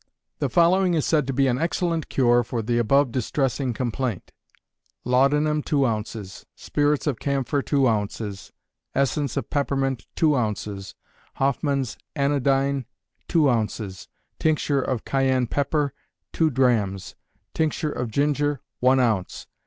_ The following is said to be an excellent cure for the above distressing complaint: Laudanum, two ounces; spirits of camphor, two ounces; essence of peppermint, two ounces; Hoffman's anodyne, two ounces; tincture of cayenne pepper, two drachms; tincture of ginger, one ounce.